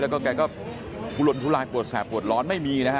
แล้วก็น้ำมนต์ถูลละปวดแซ่ปวดร้อนไม่มีนะฮะ